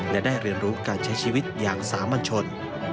และได้เรียนรู้การใช้ชีวิตอย่างสามัญชน